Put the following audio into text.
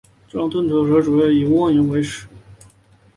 这种钝头蛇主要以蜗牛为食。